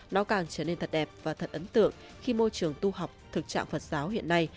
nó càng trở nên thật đẹp và thật ấn tượng khi môi trường tu học thực trạng phật giáo hiện nay